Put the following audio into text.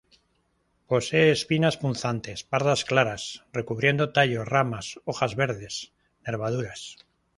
Posee espinas punzantes, pardas claras, recubriendo tallo, ramas, hojas verdes, nervaduras.